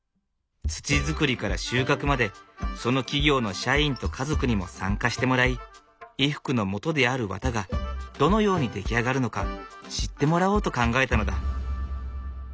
土づくりから収穫までその企業の社員と家族にも参加してもらい衣服のもとである綿がどのように出来上がるのか知ってもらおうと考えたのだ。